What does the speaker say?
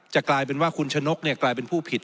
กลายเป็นว่าคุณชะนกกลายเป็นผู้ผิด